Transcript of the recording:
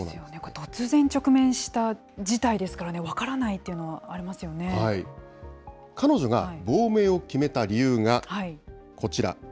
突然直面した事態ですからね、分からないとい彼女が亡命を決めた理由が、こちら。